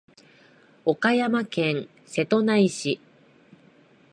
岡山県瀬戸内市